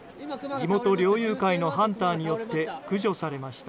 地元猟友会のハンターによって駆除されました。